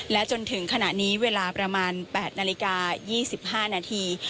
และจนถึงขณะนี้เวลาประมาณ๘นาฬิกา๒๕นาที